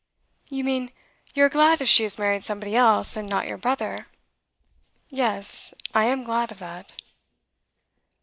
'You mean, you are glad if she has married somebody else, and not your brother?' 'Yes, I am glad of that.